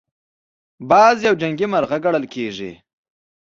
باز یو جګمرغه ګڼل کېږي